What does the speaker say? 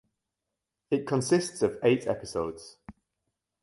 It consists of eight episodes.